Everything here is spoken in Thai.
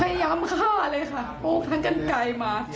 พยายามฆ่าเลยค่ะปลูกทั้งกันไกลมา